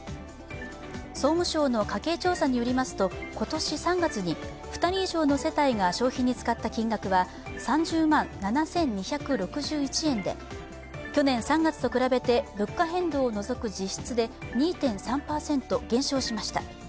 総務省の家計調査によりますと、今年３月に２人以上の世帯が消費に使った金額は３０万７２６１円でで去年３月と比べて物価変動を除く実質で２．３％減少しました。